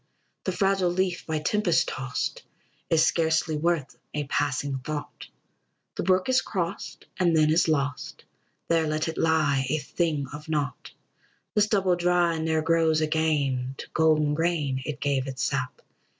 The fragile leaf, by tempest tost, Is scarcely worth a passing thought; The brook is crossed, and then is lost; There let it lie, a thing of naught. The stubble dry ne'er grows again; To golden grain it gave its sap.